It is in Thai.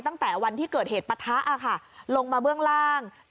ตั้งแต่วันที่เกิดเหตุปะทะค่ะลงมาเบื้องล่าง